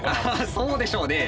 そうでしょうね。